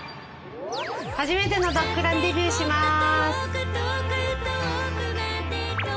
初めてのドッグランデビューします。